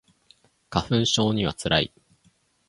花粉症には辛い